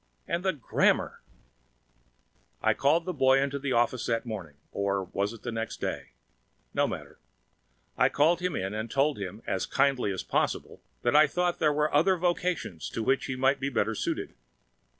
And the grammar! I called the boy to the office that morning or was it the next day? No matter. I called him in and told him, as kindly as possible, that I thought there were other vocations to which he might be better suited.